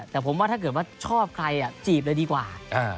แต่ผมว่าถ้าเกิดว่าชอบใครจีบเลยดีกว่า